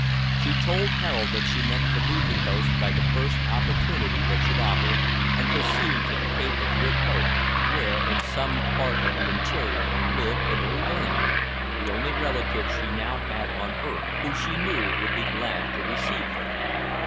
She told Harold that she meant to leave the coast by the first opportunity that should offer, and proceed to the Cape of Good Hope, where, in some part of the interior, lived an old aunt, the only relative she now had on earth, who, she knew, would be glad to receive her.